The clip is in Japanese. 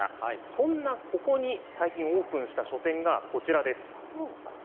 そんなここに最近オープンした書店がこちらです。